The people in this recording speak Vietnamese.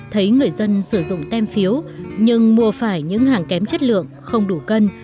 thấy người dân sử dụng tem phiếu nhưng mua phải những hàng kém chất lượng không đủ cân